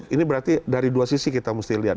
ini berarti dari dua sisi kita mesti lihat